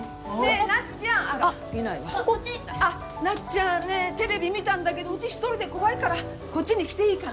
なっちゃんねえテレビ見たんだけどうち一人で怖いからこっちに来ていいかな？